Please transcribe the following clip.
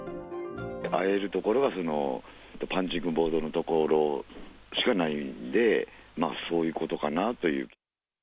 会える所はパンチングボードの所しかないんで、そういうことかなという。